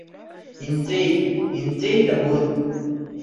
Инҵәеит, инҵәеит агәы.